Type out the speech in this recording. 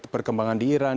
perkembangan di iran